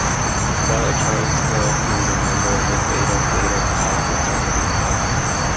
While at Charlottesville, he was a member of the Beta Theta Pi fraternity.